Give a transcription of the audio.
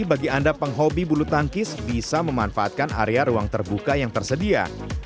bagi anda penghobi bulu tangkis bisa memanfaatkan area ruang terbuka yang tersedia